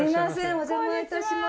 お邪魔いたします。